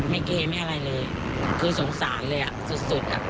ไม่เกไม่อะไรเลยคือสงสารเลยอ่ะสุดสุดอ่ะ